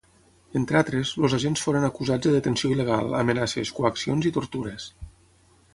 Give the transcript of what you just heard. Entre altres, els agents foren acusats de detenció il·legal, amenaces, coaccions i tortures.